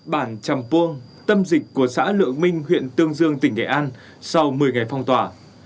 bản chầm puông tâm dịch của xã lượng minh huyện tương dương tỉnh nghệ an sau một mươi ngày phong tỏa